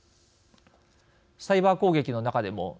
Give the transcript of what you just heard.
サイバー攻撃の中でもＤＤｏＳ